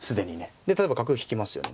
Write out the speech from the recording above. で例えば角引きますよね。